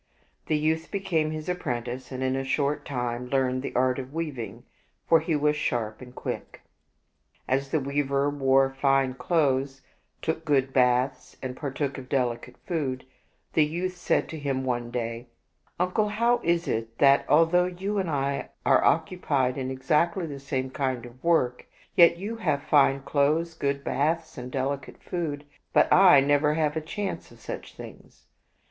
The youth became his apprentice, and in a short time learned the art of weaving, for he was sharp and quick. As the weaver wore fine clothes, took good baths, and partook of delicate food, the youth said to him one day, " Uncle, how is it that although you and I are occupied in exactly the same kind of work, yet you have fine clothes, good baths, and delicate food, but I never have a chance of such things